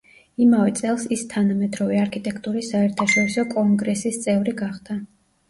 იმავე წელს ის თანამედროვე არქიტექტურის საერთაშორისო კონგრესის წევრი გახდა.